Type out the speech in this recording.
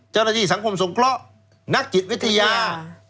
เจ้าหน้าที่สังคมสงเคราะห์นักจิตวิทยา